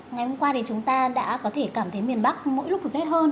ngày hôm qua thì chúng ta đã có thể cảm thấy miền bắc mỗi lúc rét hơn